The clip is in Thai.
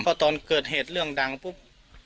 เพราะตอนเกิดเหตุเรื่องร่างปุ๊บ